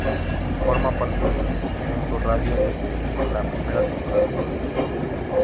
Forma parte de Punto Radio desde la primera temporada.